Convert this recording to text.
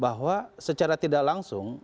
bahwa secara tidak langsung